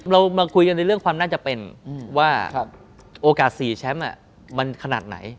เรามาคุยกันในเรื่องความน่าจะเป็นว่าโอกาส๔แชมป์มันขนาดไหน